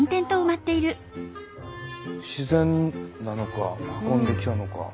自然なのか運んできたのか。